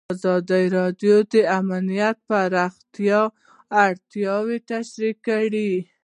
ازادي راډیو د امنیت د پراختیا اړتیاوې تشریح کړي.